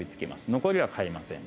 残りは変えません。